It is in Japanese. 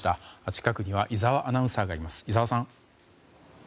近くには井澤アナウンサーがいます。